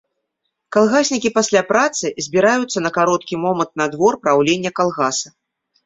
Калгаснікі пасля працы збіраюцца на кароткі момант на двор праўлення калгаса.